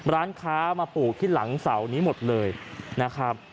ร้านค้ามาปลูกที่หลังเสานี้หมดเลยนะครับ